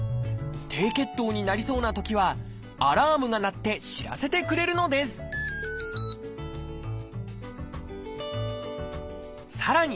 低血糖になりそうなときはアラームが鳴って知らせてくれるのですさらに